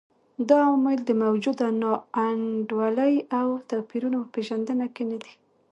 دا عوامل د موجوده نا انډولۍ او توپیرونو په پېژندنه کې نه دي.